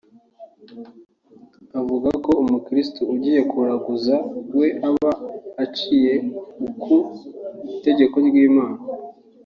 Avuga ko umukirisitu ugiye kuraguza we aba aciye ku itegeko ry’Imana